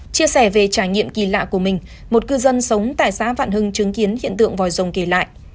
chia sẻ về trải nghiệm kỳ lạ của mình một cư dân sống tại xã vạn hưng chứng kiến hiện tượng vòi rồng kể lại